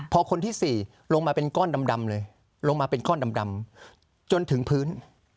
พอคนที่๔ลงมาเป็นก้อนดำเลยลงมาเป็นก้อนดำจนถึงพื้น